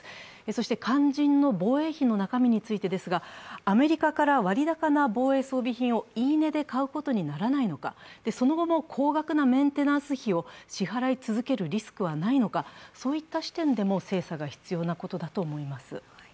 そして、肝心の防衛費の中身についてですが、アメリカから割高な防衛装備品を言い値で買うことにならないのかその後も高額なメンテナンス費を支払い続けるリスクはないのか、そういった視点でも精査が必要なことだと思います。